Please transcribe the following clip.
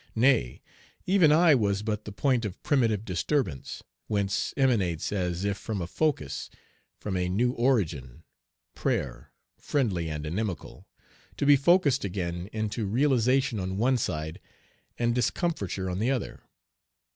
Nay, even I was but the point of "primitive disturbance," whence emanates as if from a focus, from a new origin, prayer, friendly and inimical, to be focused again into realization on one side and discomfiture on the other.